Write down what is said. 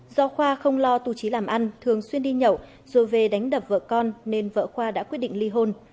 do khoa không lo tù trí làm ăn thường xuyên đi nhậu rồi về đánh đập vợ con nên vợ khoa đã quyết định ly hôn